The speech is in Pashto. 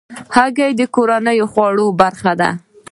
هګۍ د کورنیو خوړو برخه ده.